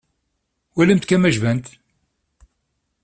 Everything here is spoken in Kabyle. Walimt kan ma jban-d.